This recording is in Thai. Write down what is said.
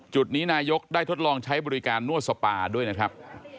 จุดนี้นายกได้ทดลองใช้บริการนวดสปาด้วยนะครับ